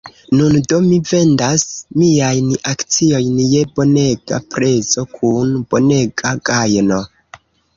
Nun do mi vendas miajn akciojn je bonega prezo, kun bonega gajno.